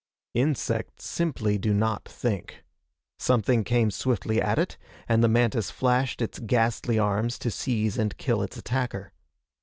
Insects simply do not think. Something came swiftly at it, and the mantis flashed its ghastly arms to seize and kill its attacker.